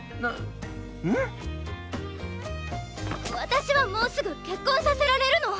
私はもうすぐ結婚させられるの！